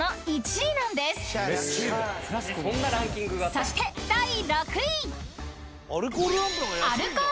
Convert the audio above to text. ［そして第６位］